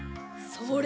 それ！